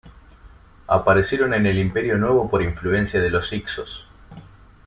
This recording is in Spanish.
Aparecieron en el Imperio Nuevo por influencia de los hicsos.